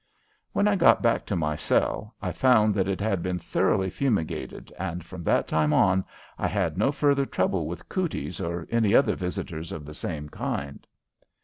When I got back to my cell I found that it had been thoroughly fumigated, and from that time on I had no further trouble with "cooties" or other visitors of the same kind.